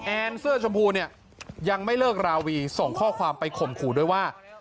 แอนเสื้อชมพูเนี่ยยังไม่เลิกราวีส่งข้อความไปข่มขู่ด้วยว่า